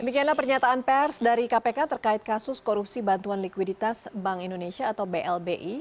demikianlah pernyataan pers dari kpk terkait kasus korupsi bantuan likuiditas bank indonesia atau blbi